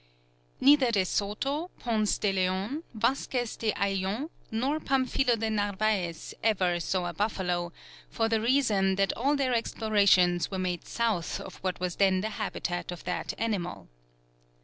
Neither De Soto, Ponce de Leon, Vasquez de Ayllon, nor Pamphilo de Narvaez ever saw a buffalo, for the reason that all their explorations were made south of what was then the habitat of that animal.